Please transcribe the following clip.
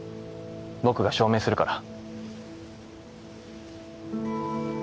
僕が証明するから。